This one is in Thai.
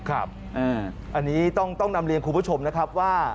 อันนี้ต้องนำเรียนครูพระถุมว่า